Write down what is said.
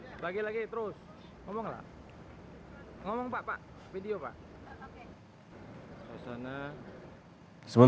jemaah yang berubah menjadi jemaah yang lebih baik untuk beribadah di penginapan